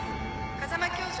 風間教場